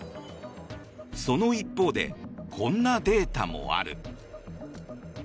その一方でこんなデータもある。